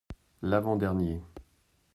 L’avant-dernier.